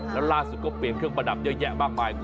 แล้วล่าสุดก็เปลี่ยนเครื่องประดับเยอะแยะมากมาย